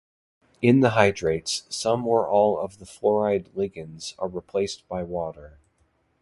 In the hydrates, some or all of the fluoride ligands are replaced by water.